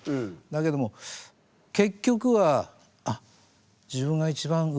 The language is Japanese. だけども結局はあっ自分が一番動きやすい。